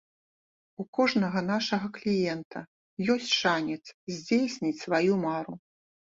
У кожнага нашага кліента ёсць шанец здзейсніць сваю мару.